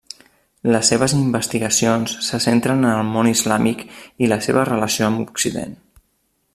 Les seves investigacions se centren en el món islàmic i la seva relació amb Occident.